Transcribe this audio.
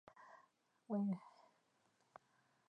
مبارزې ته مې دوام ورکړ، په عین حال کې.